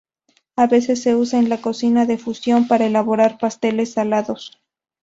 A veces se usa en la cocina de fusión para elaborar pasteles salados.